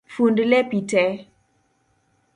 Fund lepi tee